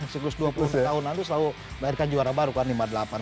siklus dua puluh tahun nanti selalu bayarkan juara baru kan